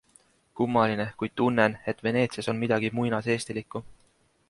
Kummaline, kuid tunnen, et Veneetsias on midagi muinaseestilikku.